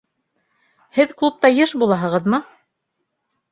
Һеҙ клубта йыш булаһығыҙмы?